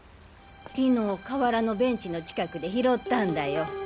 昨日河原のベンチの近くで拾ったんだよ。